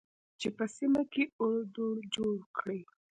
چې په سیمه کې اړو دوړ جوړ کړي